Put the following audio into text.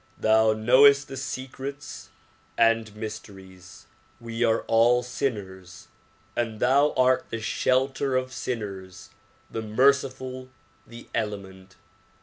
Thou knowest the secrets and mysteries. We are all sinners and thou art the shelter of sinners, the merciful, the clement.